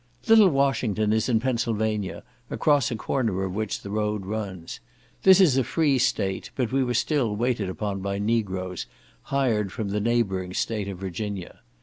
Little Washington is in Pennsylvania, across a corner of which the road runs. This is a free state, but we were still waited upon by Negroes, hired from the neighbouring state of Virginia.